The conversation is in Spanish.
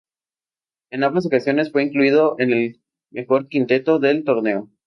En ambas ocasiones fue incluido en el mejor quinteto del torneo.